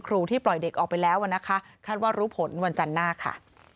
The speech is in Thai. ที่ปล่อยเด็กออกไปแล้วนะคะคาดว่ารู้ผลวันจันทร์หน้าค่ะ